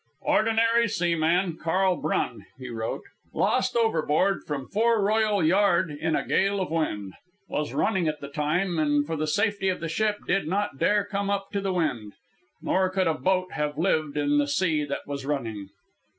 "Ordinary seaman, Karl Brun," he wrote, "lost overboard from foreroyal yard in a gale of wind. Was running at the time, and for the safety of the ship did not dare come up to the wind. Nor could a boat have lived in the sea that was running."